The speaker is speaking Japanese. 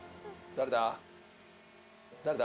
誰だ？